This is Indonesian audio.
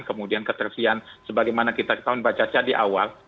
kemudian ketersian sebagaimana kita tahu baca baca di awal